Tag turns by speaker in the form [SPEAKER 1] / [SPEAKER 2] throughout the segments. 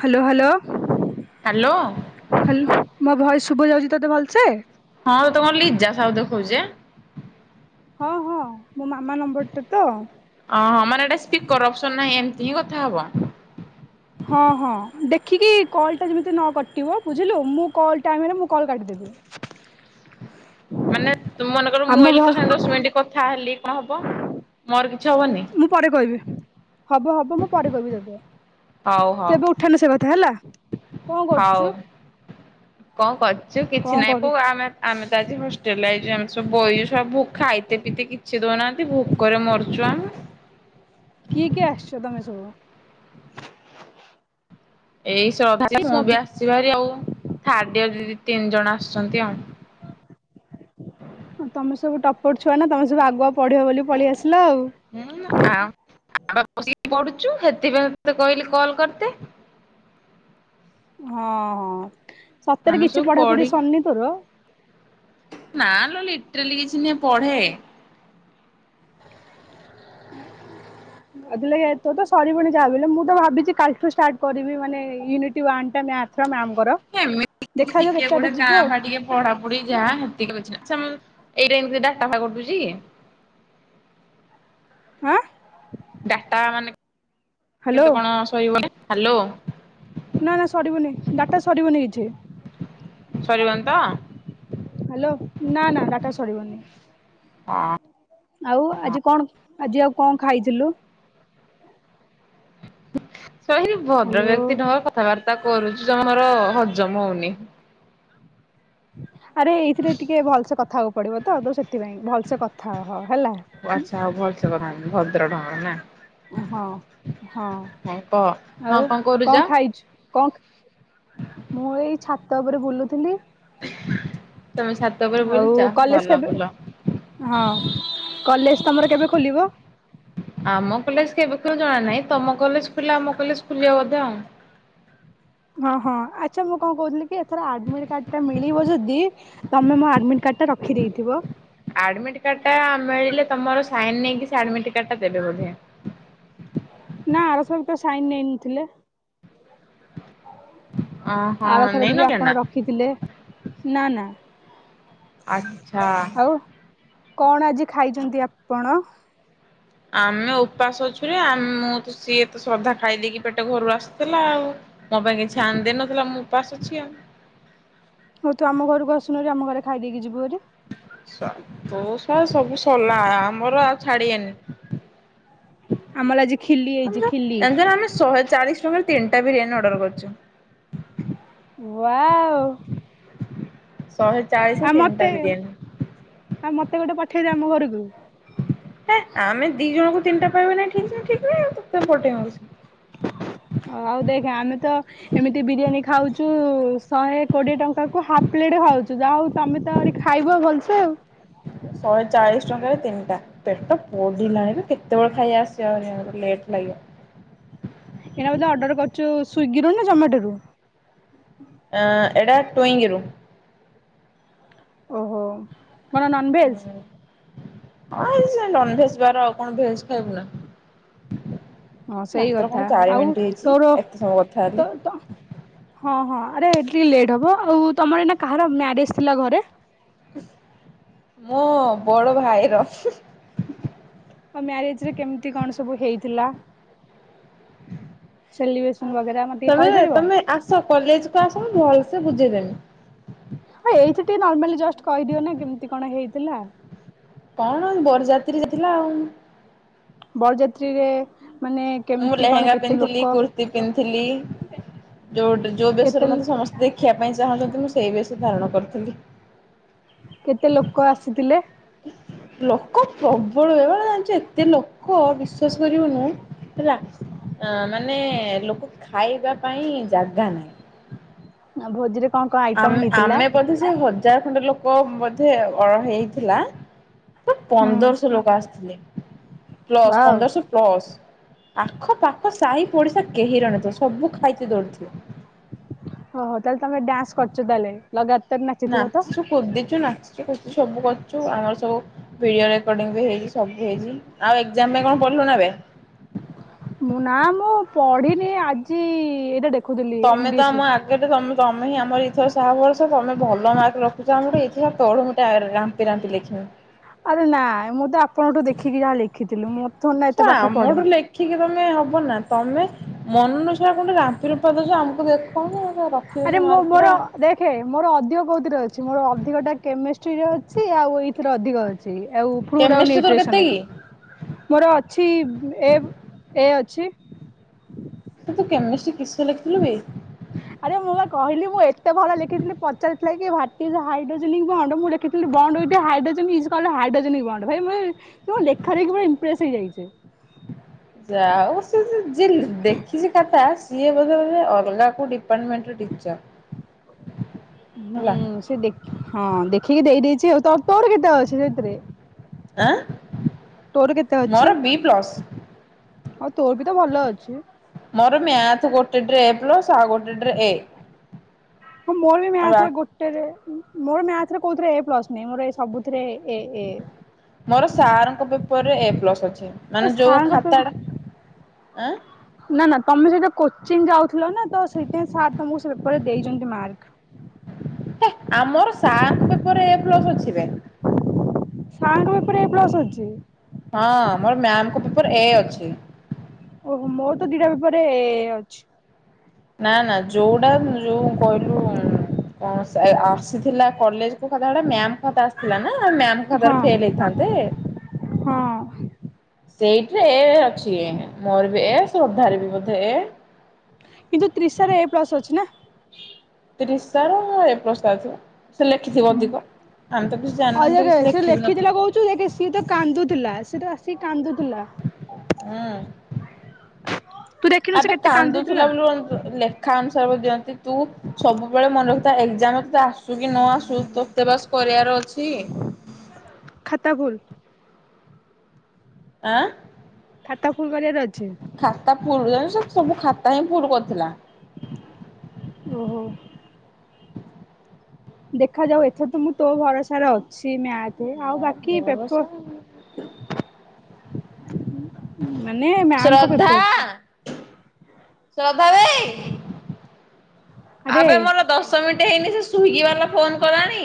[SPEAKER 1] Hello hello
[SPEAKER 2] hello
[SPEAKER 1] hello ମୋ voice ଶୁଭ ଯାଉଛି ତୋତେ ଭଲସେ?
[SPEAKER 2] ହଁ ତମର ଲିଜା ସବୁ ଦେଖଉଛେ।
[SPEAKER 1] ହଁ ହଁ ମୋ ମାମା ନମ୍ବରଟେ ତ
[SPEAKER 2] ଓହଁ ମାନେ ଏଇଟା ସ୍ପିକର ଅପସନ ନାହିଁ ଏମିତି ହିଁ କଥା ହବ।
[SPEAKER 1] ହଁ ହଁ ଦେଖିକି କଲ୍ଟା ଯେମିତି ନ କଟିବ ବୁଝିଲୁ ମୁଁ କଲ୍ ଟାଇମରେ ମୁଁ କଲ୍ କାଟିଦେବି। [inaudible]
[SPEAKER 2] ମାନେ ତୁମେ ମନେକର
[SPEAKER 1] ଆମ
[SPEAKER 2] ମୁଁ
[SPEAKER 1] ଭ
[SPEAKER 2] ହେଲି ତ ସାଙ୍ଗେ ଦଶ ମିନିଟ କଥା ହେଲି କଣ ହବ ମୋର କିଛି ହବନି।
[SPEAKER 1] ମୁଁ ପରେ କହିବି ହବ ହବ ମୁଁ ପରେ କହିବି ସେତେବେଳେ।
[SPEAKER 2] ହଉ
[SPEAKER 1] ତ
[SPEAKER 2] ହଉ
[SPEAKER 1] ଏବେ ଉଠାନୁ ସେ କଥା ହେଲା। କଣ
[SPEAKER 2] ହଉ
[SPEAKER 1] କରୁଛୁ
[SPEAKER 2] କଣ କରଛୁ
[SPEAKER 1] କଣ
[SPEAKER 2] କିଛି ନାଇଁ
[SPEAKER 1] କରୁ
[SPEAKER 2] ପୁ ଆମେ ଆମେ ତ ଆଜି ହଷ୍ଟେଲ ଆଇଚୁ ଆମେ ସବୁ ବହି ସବୁ ଖାଇତେ ପିଇତେ କିଛି ଦଉନାହାନ୍ତି ଭୋକରେ ମରୁଛୁ ଆମେ।
[SPEAKER 1] କି କି ଆସଛ ତମେ ସବୁ।
[SPEAKER 2] ଏଇ ଶ୍ରଦ୍ଧା ମୁଁ
[SPEAKER 1] ସବୁ
[SPEAKER 2] ବି ଆସିଚି ବାରି ଆଉ ଥାର୍ଡ ଇୟର ଦି ତିନି ଜଣ ଆସୁଛନ୍ତି ଆଉ।
[SPEAKER 1] ତମେ ସବୁ ଟପର ଛୁଆ ନା ତମେ ସବୁ ଆଗୁଆ ପଢିବ ବୋଲି ପଳେଇ ଆସିଲା ଆଉ।
[SPEAKER 2] ହୁଁ ଆଉ [inaudible] ସେଥିପାଇଁତେ କହିଲେ କଲ୍ କରିଦେ।
[SPEAKER 1] ହଁ ହଁ ସତରେ
[SPEAKER 2] ଆମେ ସବୁ
[SPEAKER 1] କିଛି ପଢାପଢି
[SPEAKER 2] ପଢିକି
[SPEAKER 1] ସରିନି ତୋର?
[SPEAKER 2] ନା ଲୋ ଲିଟ୍ରାଲି କିଛି ନୁହେଁ ପଢେ।
[SPEAKER 1] ଅଦୁଲ ଭାଇ ତୋର ତ ସରିବଣି ଯାହାବି ହେଲେ ମୁଁ ତ ଭାବିଛି କାଲିଠୁ ଷ୍ଟାର୍ଟ କରିବି ମାନେ ୟୁନିଟ୍ ୱାନ ଟା ମ୍ୟାଥ। ସେ ପା ମ୍ୟାମ୍ କର।
[SPEAKER 2] ଏମିତିତି ଟିକେ ଗୋଟେ କାଁ ଭା ଟିକେ ପଢାପଢି ଯାହା ହେତିକି ଅଛି ନା ସେମେ ଏଇଟା ଏମିତି ଡାଟା ଫା କଟୁଚି।
[SPEAKER 1] ଆଁ।
[SPEAKER 2] ଡାଟା ମାନେ
[SPEAKER 1] ହ୍ୟାଲୋ
[SPEAKER 2] କେତେ କଣ ସରିବନ ହ୍ୟାଲୋ।
[SPEAKER 1] ନା ନା ସରିବନି ଡାଟା ସରିବନି କିଛି।
[SPEAKER 2] ସରିବନି ତ
[SPEAKER 1] ହ୍ୟାଲୋ ନା ନା ଡାଟା ସରିବନି।
[SPEAKER 2] ହଁ।
[SPEAKER 1] ଆଉ ଆଜି କଣ ଆଜି ଆଉ କଣ ଖାଇଥିଲୁ?
[SPEAKER 2] ଭଦ୍ର
[SPEAKER 1] ହ୍ୟାଲୋ
[SPEAKER 2] ବ୍ୟକ୍ତି ଢଙ୍ଗ କଥାବାର୍ତ୍ତା କରୁଛିୁ ତମର ହଜମ ହଉନି।
[SPEAKER 1] ଆରେ ଏଇଥିରେ ଟିକେ ଭଲସେ କଥାହବାକୁ ପଡିବ ତ ତ ସେଥିପାଇଁ ଭଲସେ କଥା ହ ହେଲା।
[SPEAKER 2] ଆଚ୍ଛା ଆଉ ଭଲସ କରଥାନ୍ତି ଭଦ୍ର ଢଙ୍କର ନା।
[SPEAKER 1] ହଁ ହଁ
[SPEAKER 2] ହଁ କହ ହଁ
[SPEAKER 1] ଆଉ
[SPEAKER 2] କରୁଛ?
[SPEAKER 1] କଣ ଖାଇଛୁ କଣ ମୁଁ ଏଇ ଛାତ ଉପରେ ବୁଲୁଥିଲି।
[SPEAKER 2] ତମେ ଛାତ ଉପରେ
[SPEAKER 1] ଆଉ
[SPEAKER 2] ବୁଲଛ
[SPEAKER 1] କଲେଜ
[SPEAKER 2] ଭଲ
[SPEAKER 1] କେବେ
[SPEAKER 2] ବୁଲ।
[SPEAKER 1] ହଁ କଲେଜ ତମର କେବେ ଖୋଲିବ।
[SPEAKER 2] ଆମ କଲେଜ କେବେ ଖୋଲିବ ଜଣା ନାହିଁ ତମ କଲେଜ ଖୋଲିଲେ ଆମ କଲେଜ ଖୁଲିବ ବୋଧେ ଆଉ।
[SPEAKER 1] ଓଁ ହଁ ଆଚ୍ଛା ମୁଁ କଣ କହୁଥିଲି କି ଏଥର ଆଡମିଟ କାର୍ଡ ଟା ମିଳିବ ଯଦି ତମେ ମୋ ଆଡ଼ମିଟ୍ କାର୍ଡ଼ଟା ରଖିଦେଇଥିବ।
[SPEAKER 2] ଆଡମିଟ କାର୍ଡ ଟା ମିଳିଲେ ତମର ସାଇନ ନେଇକି ସେ ଆଡମିଟ କାର୍ଡ ଟା ଦେବେ ବୋଧେ।
[SPEAKER 1] ନା ଆର ଥରକ ତ ସାଇନ ନେଇନଥିଲେ।
[SPEAKER 2] ଓହଁ
[SPEAKER 1] ଆଉଥର କି ବି
[SPEAKER 2] ନେଇନଥିଲେ
[SPEAKER 1] ଆପଣ
[SPEAKER 2] ନା
[SPEAKER 1] ରଖିଥିଲେ ନା ନା।
[SPEAKER 2] ଆଛା।
[SPEAKER 1] ଆଉ କଣ ଆଜି ଖାଇଛନ୍ତି ଆପଣ?
[SPEAKER 2] ଆମେ ଉପାସ ଅଛୁରେ ଆମ ମୁଁ ସିଏ ଏ ତେ ଶ୍ରଦ୍ଧା ଖାଇ ଦେଇକି ପେଟ ଘରୁ ଆସିଥିଲା ଆଉ। ମୋ ପାଇଁ କି ଆଣିଦେଇ ନଥିଲା ମୁ ଉପାସ୍ ଅଛି ଆଉ।
[SPEAKER 1] ହଉ ତୁ ଆମ ଘରକୁ ଆସନୁ ହାରି ଆମ ଘରେ ଖାଇ ଦେଇକି ଯିବୁ ହାରି।
[SPEAKER 2] ସବୁ ସାଲା ସବୁ ସଲା ଆମର ଆଉ ଛାଡିିବେନି।
[SPEAKER 1] ଆମର ଆଜି ଖିଲି ହେଇଛି ଖିଲି
[SPEAKER 2] ଜାଣିଚୁ ନା ଆମେ ଶହେ ଚାଳିଶ ଟଙ୍କାରେ ତିନିଟା ବିରିୟାନୀ ଅର୍ଡର କରିଛୁ।
[SPEAKER 1] ୱାଓ।
[SPEAKER 2] ଶହେ ଚାଳିଶ
[SPEAKER 1] ଆଉ ମତେ
[SPEAKER 2] ତିନଟା ବିରିୟାନୀ।
[SPEAKER 1] ଆଉ ମତେ ଗୋଟେ ପଠେଇ ଦିଅ ଆମ ଘରକୁ।
[SPEAKER 2] ହେଁ ଆମେ ଦି ଜଣଙ୍କୁ ତିନିଟା ପାଇବକି ନାଇଁ ଠିକ ନା ଠିକ ନାହିଁ ତୋତେ ପଠେଇବୁ।
[SPEAKER 1] ଓ ଆଉ ଦେଖ ଆମେ ତ ଏମିତି ବିରିୟାନୀ ଖାଉଛୁ ଶହେ କୋଡିଏ ଟଙ୍କା କୁ ହାଫ୍ ପ୍ଲେଟ ଖାଉଛୁ ଯାହା ହଉ ତମେ ତ ଆହୁରି ଖାଇବ ଭଲସେ ଆଉ।
[SPEAKER 2] ଶହେ ଚାଳିଶ ଟଙ୍କାରେ ତିନିଟା। ପେଟ ପୋଡିଲାଣି ବେ କେତେବେଳେ ଖାଇବା ଆସିବ ହାରି ଆହୁରି ଲେଟ୍ ଲାଗିବ।
[SPEAKER 1] ଏଇଟା ବୋଧେ ଅର୍ଡ଼ର କରୁଛୁ ସ୍ଵିଗିରୁ ନା ଜମାଟୋରୁ?
[SPEAKER 2] ଅ ଏଇଟା ଟୁଙ୍ଗି ରୁ।
[SPEAKER 1] ଓହୋ କଣ ନନଭେଜ?
[SPEAKER 2] ହଁ ନନ ଭେଜ ବାର ଆଉ କଣ ଭେଜ ଖାଇବୁ ନା।
[SPEAKER 1] ହଁ ସେଇ
[SPEAKER 2] ମାତ୍ର କଣ
[SPEAKER 1] କଥା
[SPEAKER 2] ଚାରି
[SPEAKER 1] ଆଉ
[SPEAKER 2] ମିନିଟ୍ ହେଇଛି
[SPEAKER 1] ତୋର
[SPEAKER 2] ଏତେ ସମୟ କଥା ହେଲି
[SPEAKER 1] ତ ତ ହଁ ହଁ ଆରେ ଟିକେ ଲେଟ୍ ହବ ଆଉ ତମର ଏଇନା କାହାର ମ୍ୟାରେଜ ଥିଲା ଘରେ?
[SPEAKER 2] ମୋ ବଡ ଭାଇର।
[SPEAKER 1] ଆଉ ମ୍ୟାରେଜରେ କେମିତି କଣ ସବୁ ହେଇଥିଲା? ସେଲିବ୍ରେସନ ବଗେରା ମୋତେ ଟିକେ
[SPEAKER 2] ତମେ
[SPEAKER 1] କହିପାରିବ?
[SPEAKER 2] ତମେ ଆସ କଲେଜକୁୁ ଆସ ମୁ ଭଲସେ ବୁଝେଇଦେମି।
[SPEAKER 1] ହଁ ଏଇଠି ଟିକେ ନର୍ମାଲି ଜଷ୍ଟ କହିଦିଅ ନା କେମିତି କଣ ହେଇଥିଲା?
[SPEAKER 2] କଣ ବରଯାତ୍ରୀ ଯାଇଥିଲୁ ଆଉ।
[SPEAKER 1] ବରଯାତ୍ରୀରେ ମାନେ
[SPEAKER 2] ମୁଁ
[SPEAKER 1] କେମିତି କଣ
[SPEAKER 2] ଲେହେଙ୍ଗା
[SPEAKER 1] କେତେ
[SPEAKER 2] ପିନ୍ଧଥିଲି
[SPEAKER 1] ଲୋକ
[SPEAKER 2] କୁର୍ତ୍ତିୀ ପିନ୍ଧଥିଲି ଯୋଉ ଯୋଉ
[SPEAKER 1] କେତେ
[SPEAKER 2] ବେଶରେ ମତେ ସମସ୍ତେ ଦେଖିବା ପାଇଁ ଚାହୁଁଛନ୍ତି ମୁଁ ସେଇ ବେଷ ଧାରଣ କରିଥିଲି।
[SPEAKER 1] କେତେ ଲୋକ ଆସିଥିଲେ?
[SPEAKER 2] ଲୋକ ପ୍ରବଳ ଏ ମାନେ ଜାଣିଚ ଏତେ ଲୋକ ବିଶ୍ଵାସ କରିବନି ହେଲା ମାନେ ଲୋକ ଖାଇବା ପାଇଁ ଜାଗା ନାହିଁ।
[SPEAKER 1] ଆ ଭୋଜିରେ କଣ କଣ ଆଇଟମ
[SPEAKER 2] ଆମ
[SPEAKER 1] ହେଇଥିଲା?
[SPEAKER 2] ଆମେ ବୋଧେ ସେ ହଜାର ଖଣ୍ଡେ ଲୋକ ବୋଧେ ଅଳ ହେଇଥିଲା। ପନ୍ଦରଶହ ଲୋକ ଆସିଥିଲେ। ପ୍ଲସ
[SPEAKER 1] ୱାଓ
[SPEAKER 2] ପନ୍ଦରଶହ ପ୍ଲସ। ଆଖପାଖ ସାହି ପଡ଼ିଶା କେହି ରହିନଥିଲେ। ସବୁ ଖାଇତେ ଦୌଡ଼ିଥିଲେ।
[SPEAKER 1] ଓହୋ ତାହେଲେ ତମେ ଡ୍ୟାନ୍ସ କରିଛ ତାହେଲେ ଲଗାତାର ନାଚିଥିବ ତ?
[SPEAKER 2] କୋଦିଚୁ ନାଚିଛୁ ଖୋଛୁ ସବୁ କରୁଛୁ ଆମର ସବୁ ଭିଡିଓ ରେକର୍ଡିଙ୍ଗ ବି ହେଇଛି ସବୁ ହେଇଛି। ଆଉ ଏକ୍ଜାମ ପାଇଁ କଣ ପଢିଲୁ ନା ଏବେ?
[SPEAKER 1] ମୁଁ ନା ମୁଁ ପଢିନି ଆଜି ଏଇଟା ଦେଖ
[SPEAKER 2] ତମେ ତ ଆମ ଆ ଗେରେ ତମ ତମେ ଆମର ଏଥର ସାହା ଭରଷା ତମେ ଭଲ ମାର୍କ ରଖୁଛ ଆମର। ଦେଖିଆ ତଳୁ ଗୋଟେ ର ରମିକି ଏରା ଏମିତି ଲେଖିମ।
[SPEAKER 1] ଆରେ ନାଇଁ ମୁଁ ଆପଣଙ୍କଠୁ ଦେଖିକି ଯାହା ଲେଖିଥିଲି। ଥୋଡି ନା ଏତେ
[SPEAKER 2] ସେ
[SPEAKER 1] ପାଠ ପଢେ।
[SPEAKER 2] ଆମଠୁ ଲେଖିକି ତମେ ହବ ନା ତମେ ମନର ସ ଟା କୋଠେ। ରାମ୍ପି ରୁମ୍ପା ଦେଊଛୁ ଆମକୁ ଦେଖୁ ଡ୍ ରଖିଦଉୁ ମାର୍କ ପୁରା।
[SPEAKER 1] ହେ ମୋର ଅଧିକ କେଉଁଥିରେ ଅଛି ମୋର ଅଧିକଟା କେମିଷ୍ଟ୍ରିରେ ଅଛି। ଆଉ ଏଇଥିରେ ଅଧିକ ଅଛି। କ୍ଚୁଲି ଆଉ ଫୁଡ୍ ଆଉ
[SPEAKER 2] କେମିଷ୍ଟ୍ରି ତୋର
[SPEAKER 1] ନିଉଟ୍ରେସନ୍
[SPEAKER 2] କେତେ
[SPEAKER 1] ରେ।
[SPEAKER 2] କି?
[SPEAKER 1] ମୋର ଅଛି ଏବ୍ ଏ ଅଛି।
[SPEAKER 2] ତ ତୁ କେମିଷ୍ଟ୍ରୀ କିସ ଲେଖିଥିଲୁ ବେ?
[SPEAKER 1] ଆରେ ମୁଁ ପା କହିଲି। ମୁଁ ଏତେ ଭଲ ଲେଖିଥିଲି ପଚାରିଥିଲା କି ୱ୍ହାଟ୍ ଇଜ୍ ହାଇଡ୍ରୋଜେନିକ ମୁଁ ହଣ୍ଡ ମୁଁ ଲେଖ କି bond with hydrogen is called hydrogenic bond. ଭାଇ ମ ମୁଁ ଲେଖା ଦେଖି ଭାଇ ଇମ୍ପ୍ରେସ ହେଇଯାଇଛି।
[SPEAKER 2] ଜାହା ହଉ ସେ ଯେ ଯିଏ ଦେଖିଛି ଖାତା ସିଏ ବୋଧେ ଅଲଗା କୋଉ ଡିପାର୍ଟମେଣ୍ଟ ର ଟିଚର।
[SPEAKER 1] ହୁଁ
[SPEAKER 2] ହେଲା
[SPEAKER 1] ସେ ଦେଖ ହଁ ଦେଖିକି ଦେଇ ଦେଇଛି। ଆଉ ତ ତୋର କେତେ ଅଛି ସେଥିରେ?
[SPEAKER 2] ଆଁ
[SPEAKER 1] ତୋର କେତେ
[SPEAKER 2] ମୋର
[SPEAKER 1] ଅଛି?
[SPEAKER 2] ବି ପ୍ଲସ
[SPEAKER 1] ଆଉ ତୋର ବି ତ ଭଲ ଅଛି।
[SPEAKER 2] ମୋର ମ୍ୟାଥ ଗୋଟେ ଡ୍ରେ ପ୍ଲସ ଆଉ ଗୋଟେ ଡ୍ରେ ଏ।
[SPEAKER 1] ହଁ ମୋର ବି
[SPEAKER 2] ଆଉ
[SPEAKER 1] ମ୍ୟାଥରେ
[SPEAKER 2] ବା
[SPEAKER 1] ଗୋ ଟେରେ ମୋର ମ୍ୟାଥ ରେ କୋଉଥିରେ ଏ ପ୍ଲସ ନାଇ ମୋର ସବୁ ଥିରେ ଏ ଏ।
[SPEAKER 2] ମୋର ସାର୍ ଙ୍କ ପେପରରେ ଏ ପ୍ଲସ୍ ଅଛି
[SPEAKER 1] ଆଉ
[SPEAKER 2] ମାନେ ଯୋଉ
[SPEAKER 1] ସାରଙ୍କ
[SPEAKER 2] ଖାତାଟା ଆଁ
[SPEAKER 1] ନା ନା ତମେ ସେଇଟା କୋଚିଂ ଯାଉଥିଲ ନା ତ ସେଇଥିଆଇଁ ସାର୍ ତମକୁ ସେ ପେପରରେ ଦେଇଚନ୍ତି ମାର୍କ।
[SPEAKER 2] ହେ ଆମର ସାର ଙ୍କ ପେପର୍ ରେ ଏ ପ୍ଲସ ଅଛି ବେ।
[SPEAKER 1] ସାର୍ ଙ୍କ ପେପର୍ ରେ ଏ ପ୍ଲସ ଅଚି।
[SPEAKER 2] ହଁ ମୋର ମ୍ୟାମଙ୍କ ପେପର ଏ ଅଛି।
[SPEAKER 1] ଓହୋ ମୋର ତ ଦିଟା ପେପର ରେ ଏ ଏ ଅଛି।
[SPEAKER 2] ନା ନା ଯୋଉଟା ଯୋଉଁ କହିଲୁ ଉଁ ଉଁ କଣ ସେ ଆ ଆସିଥିଲା କଲେଜକୁ ଖାତା ଗୁଡା ମାମ ଖାତା ଆସିଥିଲା ନା ମ୍ୟାମ୍ ଖାତାରେ ଫେଲ
[SPEAKER 1] ହଁ
[SPEAKER 2] ହେଇଥାନ୍ତେ।
[SPEAKER 1] ହଁ।
[SPEAKER 2] ସେଇଠିରେ ଏ ଏ ଅଛି ମୋର ବି ଏ ଶ୍ରଦ୍ଧାର ବି ବୋଧେ ଏ।
[SPEAKER 1] କିନ୍ତୁ ତ୍ରିସାର ଏ ପ୍ଲସ ଅଛି ନା।
[SPEAKER 2] ତ୍ରିସା ର ଏ ପ୍ଲସ ତାର ଥିବ। ସେ ଲେଖିଥିବ
[SPEAKER 1] ହୁଁ
[SPEAKER 2] ଅଧିକ ଆମେ ତ କିଛି ଜାଣିନାନ୍ତି କିଛି ଲେଖିବି ନଥିଲୁ।
[SPEAKER 1] ତୁ ଦେଖେ ସିଏ ତ କାନ୍ଦୁଥିଲା ସିଏ ତ ଆସିକି କାନ୍ଦୁ
[SPEAKER 2] ଆଁ।
[SPEAKER 1] ତୁ ଦେଖିନୁ ସେ
[SPEAKER 2] ଆବେ
[SPEAKER 1] କେତେ
[SPEAKER 2] କାନ୍ଦୁଥିଲା ବୋଲି କ ଲେ ଖା ଅନୁସାରେ କୁ ଦିଅନ୍ତି ତୁ ସବୁବେଳେ ମନେ ରଖୁଥା ଏକ୍ଜାମରେ ତତେ ତ ଆସୁ କି ନ ଆସୁ ତୁ ତେ ବାସ କରିବାର ଅଛି।
[SPEAKER 1] ଖାତା ଖୋଲ।
[SPEAKER 2] ଆଁ।
[SPEAKER 1] ଖାତା ଫୁଲ କରିବାର ଅଛି।
[SPEAKER 2] ଖାତା ଫୁଲ୍ ଲାନି ସେ ସବୁ ଖାତା ହିଁ ଫୁଲ କରିଥିଲା।
[SPEAKER 1] ଓହୋ। ଦେଖାଯାଉ ଏଥର ତ ମୁଁ ତୋ ଭରସାରେ ଅଛି ମ୍ୟାଥ ଥେ ଆଉ
[SPEAKER 2] ୟା
[SPEAKER 1] ବାକି ପେପ
[SPEAKER 2] ଭରସା
[SPEAKER 1] ମାନେ ମ୍ୟାାମଙ୍କ
[SPEAKER 2] ଶ୍ରଦ୍ଧା
[SPEAKER 1] ପେପର୍ ଟା।
[SPEAKER 2] ଶ୍ରଦ୍ଧା ଦେଇ
[SPEAKER 1] ଆରେ
[SPEAKER 2] ଆବେ ମୋର ଦସ୍ ଦଶ ମିନିଟ୍ ହେଇନି ସେ ସ୍ଵିଗି ବାଲା ଫୋନ୍ କଲାଣି।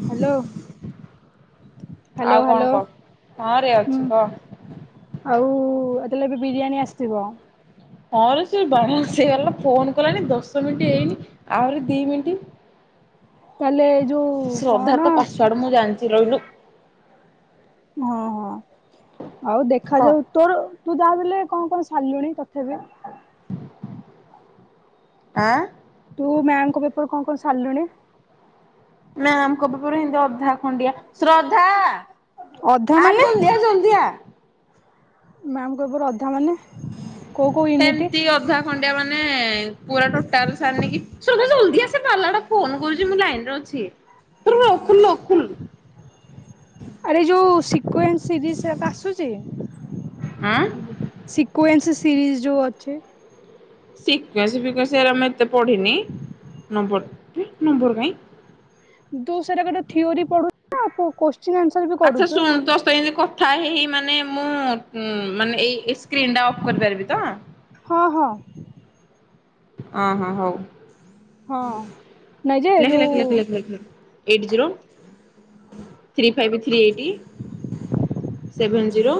[SPEAKER 1] ହ୍ୟାଲୋ ହ୍ୟାଲୋ ହ୍ୟାଲୋ
[SPEAKER 2] ଆଉ କଣ
[SPEAKER 1] ହୁଁ।
[SPEAKER 2] କହ?
[SPEAKER 1] ଆଉ
[SPEAKER 2] ହଁ ରେ ଅଛି
[SPEAKER 1] ଏ
[SPEAKER 2] କହ
[SPEAKER 1] ତେ ହେଲେ ଏବେ ବିରିୟାନୀ ଆସିଥିବ।
[SPEAKER 2] ହଁରେ ସେ ବା ଆସିଗଲା ଫୋନ କଲାଣି ଦଶ ମିନିଟ୍ ହେଇନି ଆହୁରି ଦି ମିନିଟି।
[SPEAKER 1] କଲେଜ୍
[SPEAKER 2] ଶ୍ରଦ୍ଧା ତା ପାସୱାର୍ଡ ମୁଁ ଜାଣିଛି ରଇଲୁ
[SPEAKER 1] ହଁ ହଁ ଆଉ
[SPEAKER 2] କହ।
[SPEAKER 1] ଦେଖାଯାଉ ତୋର ତୁ ଯାହା ବି ଲେ କଣ କଣ ସାରିଲୁଣି ତଥାପି।
[SPEAKER 2] ଆଁ।
[SPEAKER 1] ତୁ ମ୍ୟାାମଙ୍କ ପେପର କଣ କଣ ସାରିଲୁଣି।
[SPEAKER 2] ମ୍ୟାମ୍ ଙ୍କ ପେପର୍ ହେନ୍ତି ଅଧା ଖଣ୍ଡିଆ ଶ୍ରଦ୍ଧା।
[SPEAKER 1] ଅଧା
[SPEAKER 2] ଆ ରେ
[SPEAKER 1] ମାନେ
[SPEAKER 2] ଜଲ୍ଦୀ ଆ ଜଲ୍ଦୀ ଆ।
[SPEAKER 1] ମ୍ୟାମ୍ ଙ୍କ ପେପର୍ ଅଧା ମାନେ କୋଉ କୋଉ ୟୁନିଟ୍
[SPEAKER 2] ହେମିତି ଅଧା ଖଣ୍ଡିଆ ମାନେ ପୁରା ଟୋଟାଲ ସାରିନି କି ଶ୍ରଦ୍ଧା ଜଲଦି ଆସେ ପାରଲାଟା ଫୋନ କରୁଛି ମୁଁ ଲାଇନରେ ଅଛି ତୋର ଲକ୍ ଖୁଲ୍ ଲକ ଖୁଲ।
[SPEAKER 1] ଆରେ ଯୋଉ ସିକେନ୍ସ ସିରିଜ ହାକା ଆସୁଚି।
[SPEAKER 2] ଆଁ
[SPEAKER 1] ସିକୱେନ୍ସ ସିରିଜ୍ ଯୋଉ ଅଛି।
[SPEAKER 2] ସିକ୍ୱେନ୍ସ ଫିକୱେସ ମୁ ଏରା ଏତେ ପଢିନି।
[SPEAKER 1] ଦୁ ସାରା କରେ ଥିଓରି ପଢୁଛ ଆ କୋ କୋତ୍ସ
[SPEAKER 2] ଆଛା ଶୁଣନ୍ତୁ [unintelligible] ଥା ହେଇ ହେଇ ମାନେ ମୁଁ ମାନେ ଏଇ ଏଇ ସ୍କ୍ରିନ ଟା ଅଫ୍ କରିପାରିବି ତ।
[SPEAKER 1] ହଁ ହଁ।
[SPEAKER 2] ଅହୋ ହଉ।
[SPEAKER 1] ହଁ ନାଇଁ ଯେ ଯୋଉ
[SPEAKER 2] [unintelligible] eight zero. Three five three eighty seven zero.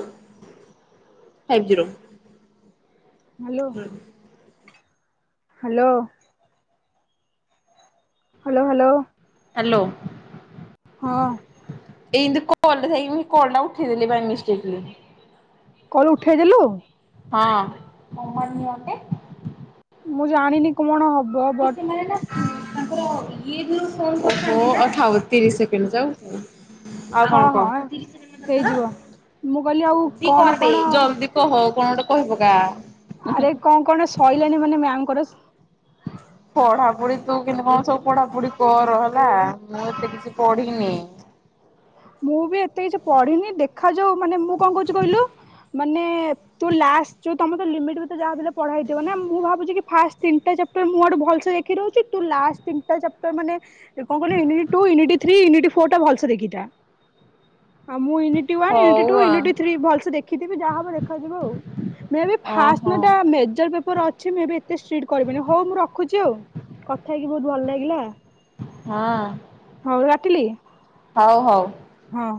[SPEAKER 2] Five zero.
[SPEAKER 1] Hello. Hello. Hello hello.
[SPEAKER 2] Hello.
[SPEAKER 1] ହଁ।
[SPEAKER 2] [unintelligible]
[SPEAKER 1] କହ ଉଠେଇ ଦେଲୁ।
[SPEAKER 2] ହଁ।
[SPEAKER 1] ମୁଁ ଜାଣିନି କଣ ହବ ବଟ୍
[SPEAKER 2] [unintelligible] ଆଉ କଣ
[SPEAKER 1] ହଁ
[SPEAKER 2] କହ?
[SPEAKER 1] ହଁ ହେଇଯିବ ମୁଁ କହିଲି ଆଉ କଣ କଣ
[SPEAKER 2] ଜଲଦି କହ କଣ ଗୋଟେ କହିପକା।
[SPEAKER 1] ଆରେ କଣ କଣ ସଇଲାଣିି ମାନେ ମ୍ୟାମଙ୍କର? ହଁ [unintelligible]
[SPEAKER 2] ପଢାପଢି ତୁ କିନ୍ତୁ କଣ ସବୁ ପଢାପଢି କର ହେଲା ମୁଁ ଏତେ କିଛି ପଢିନି।
[SPEAKER 1] ମୁଁ ବି ଏତେ କିଛି ପଢିନି ଦେଖାଯାଉ ମାନେ ମୁଁ କଣ କହୁଛି କହିଲୁ ମାନେ ତୁ ଲାଷ୍ଟ ଯଉ ତମେତ ଲିମିଟ୍ ଭିତରେ ଯାହାବି ହେଲେ ପଢାହେଇଥିବ ନା ମୁଁ ଭାବୁଛି ଫାଷ୍ଟ ତିନିଟା ଚାପ୍ ଟର୍ ମୁଁ ଆଡେ ଭଲସେ ଦେଖି ଦଉଛି ତୁ ଲାଷ୍ଟ ତିନଟା ଚାପଟର ମାନେ କଣ କହିଲୁ unit two unit three unit four ଟା ଭଲ ସେ ଦେଖି ତା। ହଁ ମୁଁ ୟୁନିଟି ୱାନ୍ ୟୁନିଟ ଟୁ
[SPEAKER 2] ହଉ ଆ।
[SPEAKER 1] ୟୁନିଟ ଥ୍ରୀ ଭଲସେ ଦେଖିଥିବି ଯାହା ହବ ଦେଖାଯିବ ଆଉ। ମେ ବି ଫର୍ଷ୍ଟ
[SPEAKER 2] ଓହୋ
[SPEAKER 1] ଦିନଟା ମେଜର ପେପର ଅଛି ମେ ବି ଏତେ ଷ୍ଟ୍ରିକ୍ଟ କରିବେନି ହଉ ମୁଁ ରଖୁଛି ଆଉ। କଥା ହେଇକି ବହୁତ ଭଲ ଲାଗିଲା।
[SPEAKER 2] ହଁ।
[SPEAKER 1] ହଉ ରଖିଲି।
[SPEAKER 2] ହଉ ହଉ।
[SPEAKER 1] ହଁ।